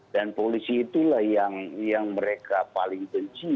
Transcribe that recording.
dan polisi itulah yang mereka paling benci